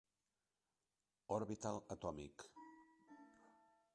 orbital atòmic.